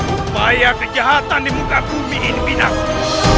upaya kejahatan di muka bumi ini bidang